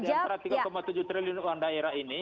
jadi dari antara tiga tujuh triliun uang daerah ini